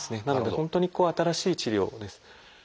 なので本当に新しい治療です。